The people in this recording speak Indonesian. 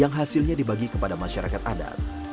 yang hasilnya dibagi kepada masyarakat adat